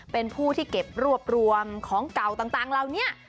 เป็นผู้ที่เก็บรวบรวมของเก่าต่างเหล่านี้